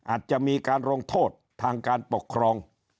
อาจจะมีการลงโทษทางการปกครอง